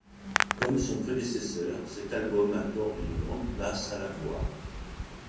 Comme son prédécesseur, cet album accorde une grande place à la voix.